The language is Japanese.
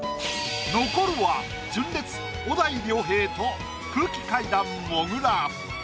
残るは純烈小田井涼平と空気階段もぐら。